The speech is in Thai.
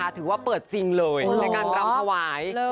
ถือว่าเปิดจริงเลยในการรำถวาย